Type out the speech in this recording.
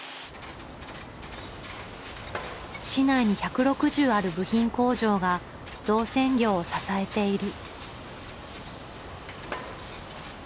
市内に１６０ある部品工場が造船業を支えている。